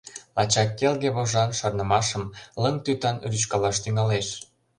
Лачак келге вожан шарнымашым Лыҥ тӱтан рӱчкалаш тӱҥалеш!